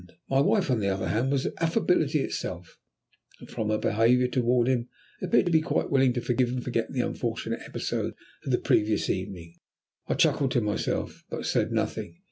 My wife, on the other hand, was affability itself, and from her behaviour toward him appeared to be quite willing to forgive and forget the unfortunate episode of the previous evening. I chuckled to myself, but said nothing.